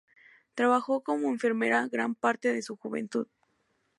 Trabajó como enfermera gran parte de su juventud.